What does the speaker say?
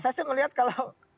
bagaimana menurut anda menurut kib